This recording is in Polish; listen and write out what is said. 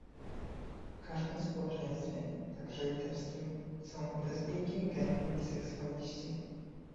W każdym społeczeństwie, także litewskim, są lesbijki, geje, biseksualiści